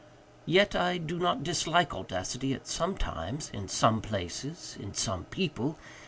Yet I do not dislike audacity, at some times, in some places, in some people.